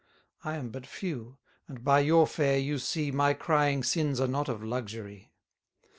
I am but few, and by your fare you see My crying sins are not of luxury.